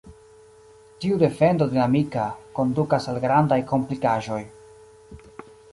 Tiu defendo dinamika kondukas al grandaj komplikaĵoj.